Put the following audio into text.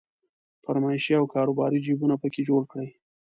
فرمایشي او کاروباري جيبونه په کې جوړ کړي.